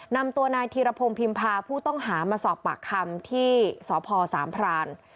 นำตัวนายธีรพงศ์พิมพาผู้ต้องหามาสอบปากคำที่สพสามพราน